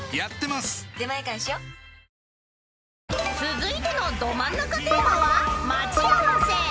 ［続いてのドマンナカテーマは待ち合わせ］